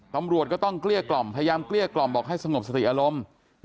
ตำรวจก็ต้องเกลี้ยกล่อมพยายามเกลี้ยกล่อมบอกให้สงบสติอารมณ์